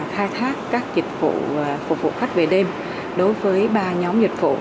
khai thác các dịch vụ phục vụ khách về đêm đối với ba nhóm dịch vụ